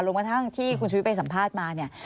กระทั่งที่คุณชุวิตไปสัมภาษณ์มาเนี่ย